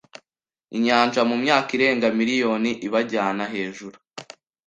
inyanja mumyaka irenga miriyoni ibajyana hejuru